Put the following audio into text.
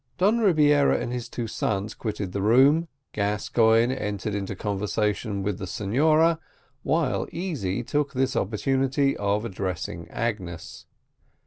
Don Rebiera and his two sons quitted the room, Gascoigne entered into conversation with the senora, while Easy took this opportunity of addressing Agnes.